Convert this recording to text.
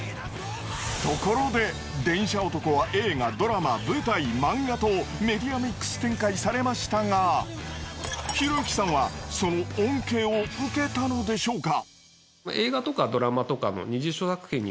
ところで『電車男』は映画ドラマ舞台漫画とメディアミックス展開されましたがひろゆきさんはその恩恵を受けたのでしょうか？